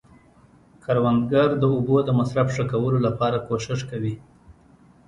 کروندګر د اوبو د مصرف ښه کولو لپاره کوښښ کوي